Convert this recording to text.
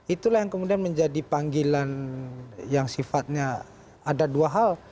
itulah yang kemudian menjadi panggilan yang sifatnya ada dua hal